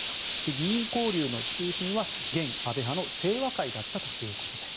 議員交流の中心は現・安倍派の清和会だったということです。